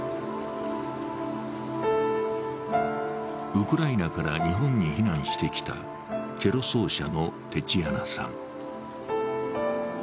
ウクライナから日本に避難してきたチェロ奏者のテチアナさん。